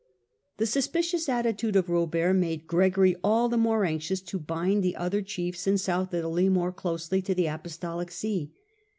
The suspicious attitude of Robert made Gregory all the more anxious to bind the other chiefs in South Italy more closely to the apostolic see.